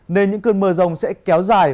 nên những cơn mưa rông sẽ kéo dài